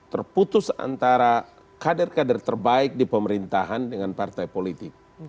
terputus antara kader kader terbaik di pemerintahan dengan partai politik